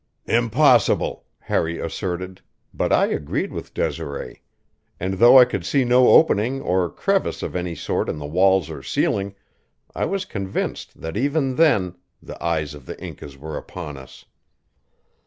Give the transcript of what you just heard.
"Impossible!" Harry asserted; but I agreed with Desiree; and though I could see no opening or crevice of any sort in the walls or ceiling, I was convinced that even then the eyes of the Incas were upon us.